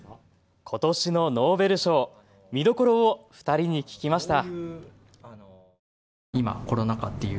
ことしのノーベル賞、見どころを二人に聞きました。